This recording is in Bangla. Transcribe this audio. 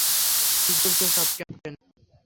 কী করছো এসব, ক্যাপ্টেন?